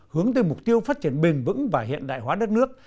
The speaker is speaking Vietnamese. hướng tới mục tiêu phát triển bền vững và hiện đại hóa đất nước